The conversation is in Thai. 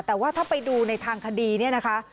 แต่ว่าถ้าไปดูในทางคดีเนี่ยนะคะ